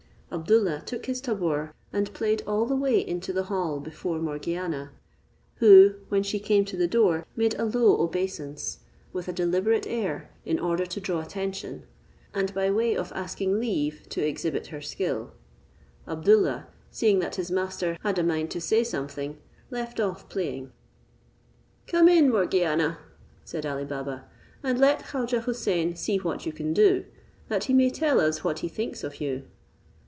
Abdoollah took his tabor and played all the way into the hall before Morgiana, who, when she came to the door, made a low obeisance, with a deliberate air, in order to draw attention, and by way of asking leave to exhibit her skill. Abdoollah, seeing that his master had a mind to say something, left off playing. "Come in, Morgiana," said Ali Baba, "and let Khaujeh Houssain see what you can do, that he may tell us what he thinks of you."